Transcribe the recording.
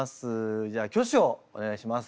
じゃあ挙手をお願いします。